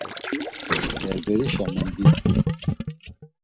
Berberişa mendit̆u.